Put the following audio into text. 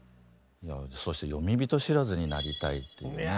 そして詠み人知らずになりたいというね。